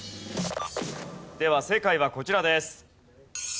では正解はこちらです。